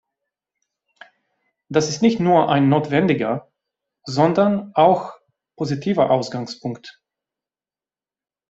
Das ist nicht nur ein notwendiger, sondern auch positiver Ausgangspunkt.